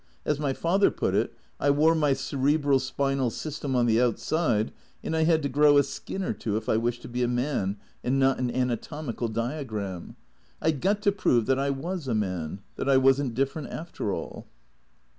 As my father put it, I wore my cerebro spinal system on the outside, and I had to grow a skin or two if I wanted to be a man and not an anatomical diagram. I 'd got to prove that I was a man — that I was n't different after all."